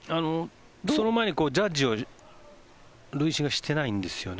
その前にジャッジを塁審がしてないんですよね。